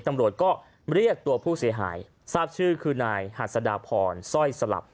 ตำรวจก็เรียกตัวผู้เสียหายทราบชื่อคือนายหัสดาพรสร้อยสลับ